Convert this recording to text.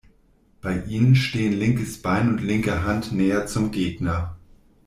Bei ihnen stehen linkes Bein und linke Hand näher zum Gegner.